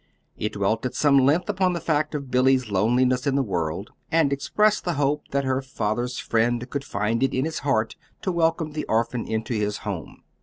It dwelt at some length upon the fact of Billy's loneliness in the world, and expressed the hope that her father's friend could find it in his heart to welcome the orphan into his home.